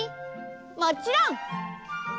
もちろん！